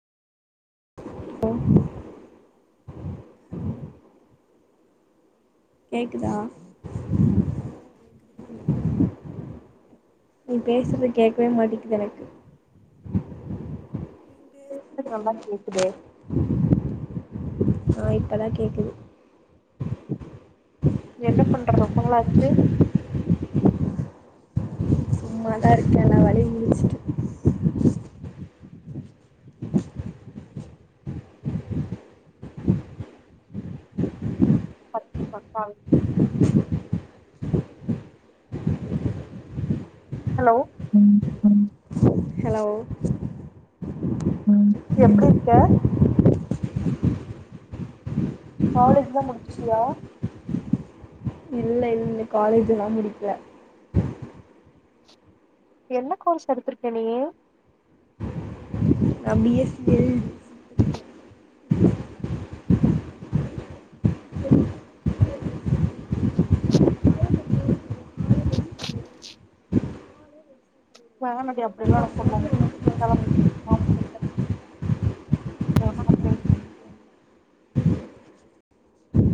ஆ [unintelligible] hello கேக்குதா ஆ கேக்குது கேக்குது நீ பேசுறது கேக்கவே மாட்டேக்து எனக்கு எனக்கு நல்லா கேக்குதே [unintelligible] ஆ இப்பதா கேக்குது என்ன பண்ற ரொம்ப நாளாச்சு சும்மா தா இருக்கே ந வேலய முடிச்டு பத்து பக்காய் [unintelligible] ஹலோ ம் ம் ஹலோ ம் ம் எப்டி இருக்க காலேஜ் ல முடிச்சிட்டியா இல்ல இல்ல காலேஜ் ல முடிக்ல என்ன கோர்ஸ் எடுத்துருக்க நீ நா பி எஸ்சி [unintelligible]